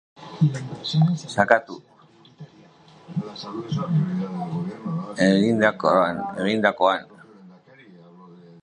Halaber, kirola taldean egiteko elkartzen diren hainbat lagunekine ere egongo dira.